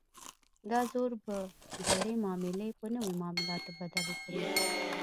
دا زور به زړې معاملې په نویو معادلاتو بدلې کړي.